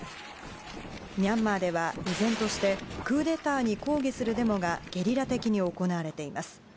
ミャンマーでは、依然としてクーデターに抗議するデモがゲリラ的に行われています。